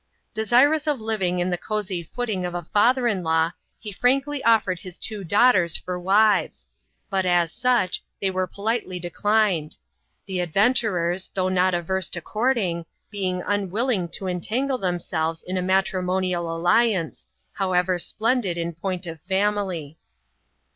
Desirous of Kving on the cozy footing of a father in law, he frankly offered his two daughters for wives ; but, as such, they were politely declined ; the adventurers, though not averse to courting, being unwilling to entangle themselves in a matrimo nial alliance, however splendid in point of family.